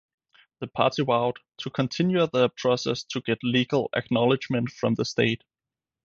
The party vowed to continue their process to get legal acknowledgement from the state.